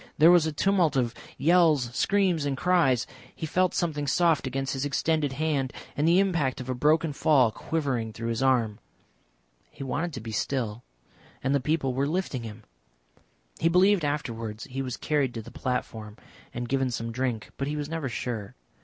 There was a tumult of yells, screams, and cries. He felt something soft against his extended hand, and the impact of a broken fall quivering through his arm.... He wanted to be still and the people were lifting him. He believed afterwards he was carried to the platform and given some drink, but he was never sure.